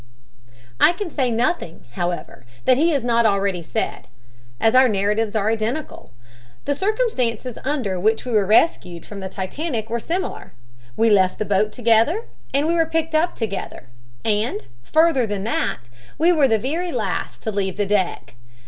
"I can say nothing, however, that he has not already said, as our narratives are identical; the circumstances under which we were rescued from the Titanic were similar. We left the boat together and were picked up together, and, further than that, we were the very last to leave the deck.